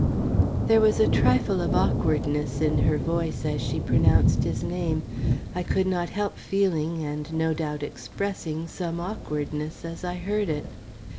There was a trifle of awkwardness in her voice as she pronounced his name. I could not help feeling and no doubt expressing some awkwardness as I heard it.